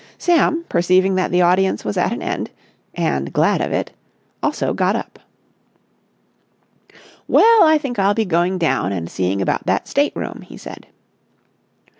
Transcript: Sam, perceiving that the audience was at an end—and glad of it—also got up. "Well, I think I'll be going down and seeing about that state room," he said.